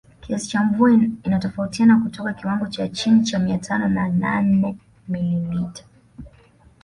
Kiasi cha mvua inatofautiana kutoka kiwango cha chini cha mia tano na nane milimita